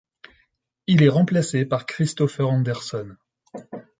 Il est remplacé par Christoffer Andersson.